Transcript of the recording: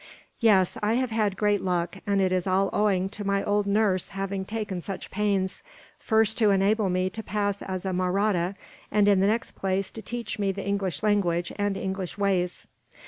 "Yes, I have had great luck, and it is all owing to my old nurse having taken such pains; first to enable me to pass as a Mahratta, and in the next place to teach me the English language and English ways.